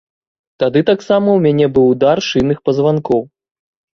Тады таксама ў мяне быў удар шыйных пазванкоў.